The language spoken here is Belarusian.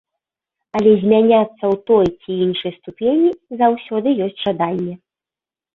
Але змяняцца ў той ці іншай ступені заўсёды ёсць жаданне.